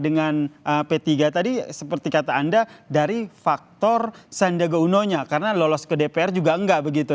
pertama p tiga ini p tiga tadi seperti kata anda dari faktor sandiaga uno nya karena lolos ke dpr juga enggak begitu